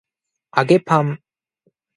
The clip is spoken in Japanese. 揚げパン